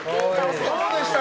どうでした？